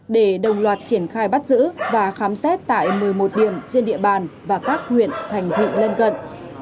để đồng loạt triển khai bắt giữ và khám xét tại một mươi một điểm trên địa bàn và các huyện thành thị lân gận